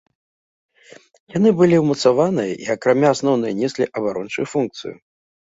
Яны былі ўмацаваныя і акрамя асноўнай неслі абарончую функцыю.